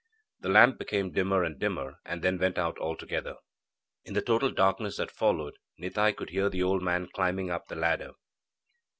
The lamp became dimmer and dimmer, and then went out altogether. In the total darkness that followed, Nitai could hear the old man climbing up the ladder.